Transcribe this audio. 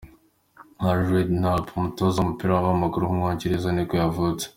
Harry Redknapp, umutoza w’umupira w’amaguru w’umwongereza nibwo yavutse.